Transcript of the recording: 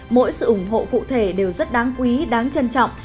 mỗi sự ủng hộ cụ thể đều rất đáng quý đáng trân trọng